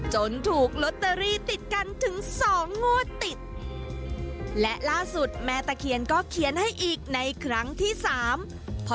จนถูกลอตเตอรี่ติดกันถึงสองงวติด